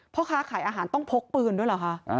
พ่อค้าขายอาหารต้องพกปืนด้วยเหรอคะ